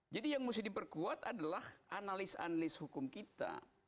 jadi yang mesti diperkuat adalah analis analis hukum kita